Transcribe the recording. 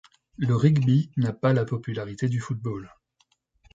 Le rugby n'a pas la popularité du football...